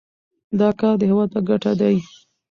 دا کار د هیواد په ګټه دی.